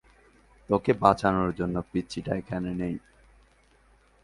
তোকে বাঁচানোর জন্য পিচ্চিটা এখানে নেই।